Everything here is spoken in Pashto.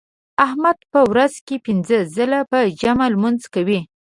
احمد په ورځ کې پینځه ځله په جمع لمونځ کوي.